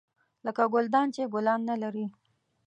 لکه ګلدان چې ګلان نه لري .